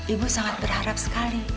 ibu sangat berharap sekali